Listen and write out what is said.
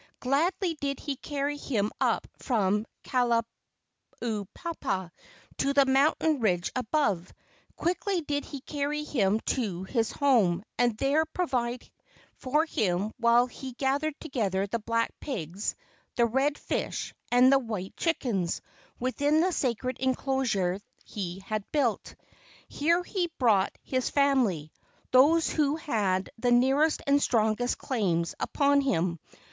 Gladly did he carry him up from Kalaupapa to the moun¬ tain ridge above. Quickly did he carry him to his home and there provide for him while he gathered together the black pigs, the red fish, and the white chickens within the sacred enclosure he had built. Here he brought his family, those who had the nearest and strongest claims upon him.